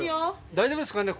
大丈夫ですかね？